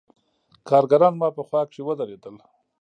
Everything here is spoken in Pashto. کارګران زما په خوا کښې ودرېدل.